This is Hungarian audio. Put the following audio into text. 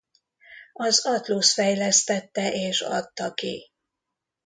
Az Atlus fejlesztette és adta ki.